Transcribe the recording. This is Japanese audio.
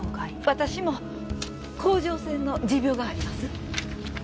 私も甲状腺の持病があります。